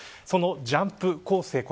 そのジャンプ構成